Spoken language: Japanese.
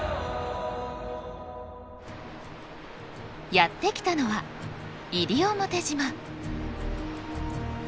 やって来たのは西表島。